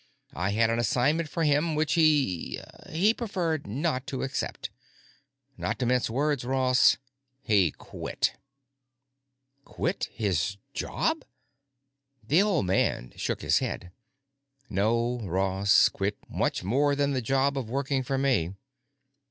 I had an assignment for him which he—he preferred not to accept. Not to mince words, Ross, he quit." "Quit his job?" The old man shook his head. "No, Ross. Quit much more than the job of working for me.